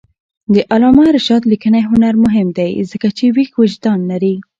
د علامه رشاد لیکنی هنر مهم دی ځکه چې ویښ وجدان لري.